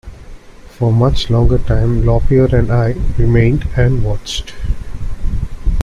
For a much longer time Lop-Ear and I remained and watched.